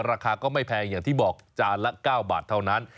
ราคาก็ไม่แพงอย่างที่บอกจานละ๙บาทเท่านั้น